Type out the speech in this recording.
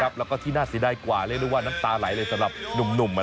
แล้วก็ที่น่าเสียดายกว่าเรียกได้ว่าน้ำตาไหลเลยสำหรับหนุ่ม